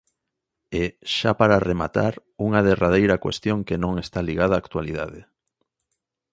E, xa para rematar, unha derradeira cuestión que non está ligada á actualidade.